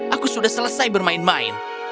aku sudah selesai bermain main